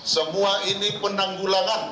semua ini penanggulangan